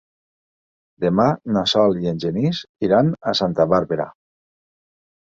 Demà na Sol i en Genís iran a Santa Bàrbara.